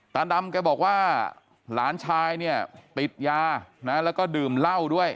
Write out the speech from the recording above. ตาดำแกบอกว่าหลานชายเนี่ยติดยานะแล้วก็ดื่มเหล้าด้วย